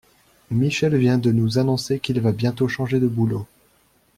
Michel vient de nous annoncer qu'il va bientôt changer de boulot.